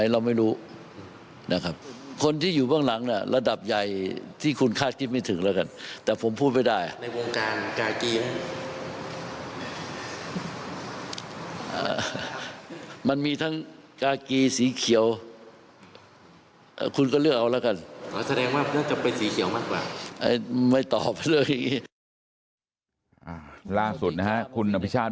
ล่าสุดนะฮะคุณอภิชาติ